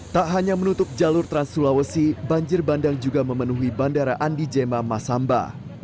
tak hanya menutup jalur trans sulawesi banjir bandang juga memenuhi bandara andijema masamba